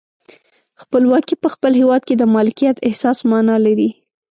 خپلواکي په خپل هیواد کې د مالکیت احساس معنا لري.